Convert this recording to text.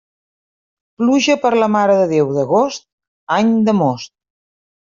Pluja per la Mare de Déu d'agost, any de most.